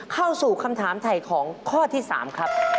เข้าสู่คำถามถ่ายของข้อที่๓ครับ